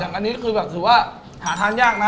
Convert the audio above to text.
แต่อันนี้คือแบบถือว่าหาทานยากนะ